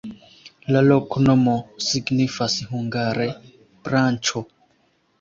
La loknomo signifas hungare: branĉo.